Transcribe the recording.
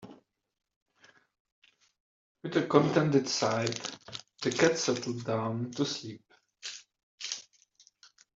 With a contented sigh, the cat settled down to sleep.